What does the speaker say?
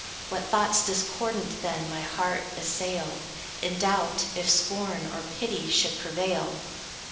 What thoughts discordant then my heart assail, In doubt, if scorn or pity should prevail!